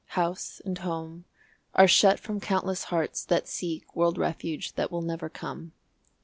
House and home Are shut from countless hearts that seek World refuge that will never come.